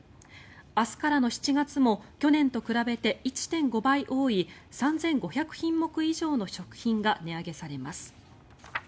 明日からの７月も去年と比べて１．５倍多い３５００品目以上の食品が値上げされます。